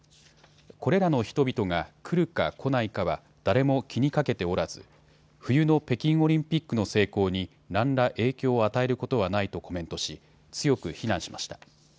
これらの人々が来るか来ないかは誰も気にかけておらず冬の北京オリンピックの成功に何ら影響を与えることはないとコメントし強く非難しました。